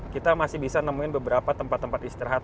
kita masih bisa nemuin beberapa tempat tempat istirahat